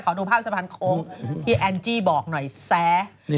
ดูภาพสะพานโคงที่แอนจี้บอกหน่อยแซะ